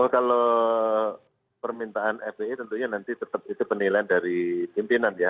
kalau permintaan fpi tentunya nanti tetap itu penilaian dari pimpinan ya